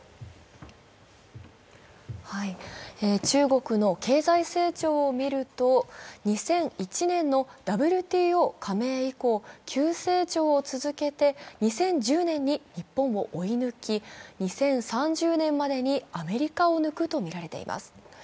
中国の経済成長を見ると、２００１年のＷＴＯ加盟以降、急成長を続けて、２０１０年に日本を追い抜き、２０３０年までにアメリカを抜くとみられています。